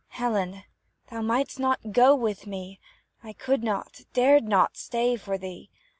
Helen, thou mightst not go with me, I could not dared not stay for thee!